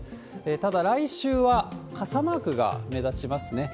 ただ、来週は傘マークが目立ちますね。